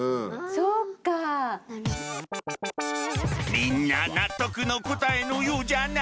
みんな納得の答えのようじゃな。